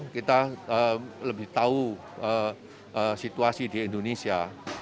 kita lebih tahu situasi di indonesia